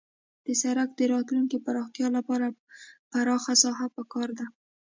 د سرک د راتلونکي پراختیا لپاره پراخه ساحه پکار ده